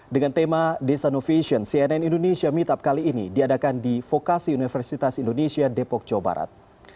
dengan tema desa novation cnn indonesia meetup kali ini diadakan di vokasi universitas indonesia depok jawa barat